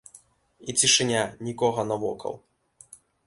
І цішыня, нікога навокал.